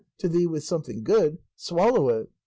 to thee with something good, swallow it.